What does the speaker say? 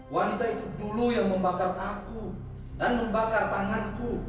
wanita itu dulu yang membakar aku dan membakar tanganku